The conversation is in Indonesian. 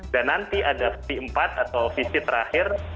dan nanti ada v empat atau visi terakhir